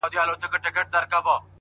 باجره د کرنې یو قسم دی.